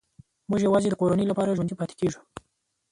موږ یوازې د کورنۍ لپاره ژوندي پاتې کېږو